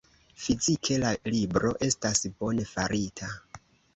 Fizike, la libro estas bone farita.